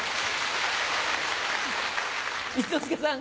一之輔さん。